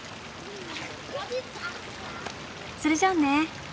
それじゃあね。